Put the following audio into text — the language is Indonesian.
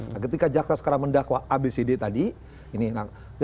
nah ketika jakarta sekarang mendakwa abcd tadi ini nah